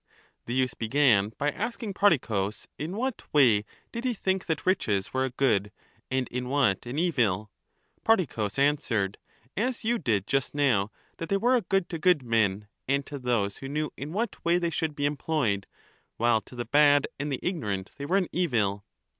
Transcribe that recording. The youth began by asking Prodicus, In what way did he think that riches were a good and in what an evil? Prodicus answered, as you did just now, that they were a good to good men and to those who knew in what way they should be employed, while to the bad and the ignorant they were an evil.